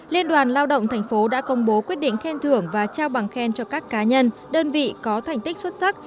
liên đoàn lao động thành phố đã công bố quyết định khen thưởng và trao bằng khen cho các cá nhân đơn vị có thành tích xuất sắc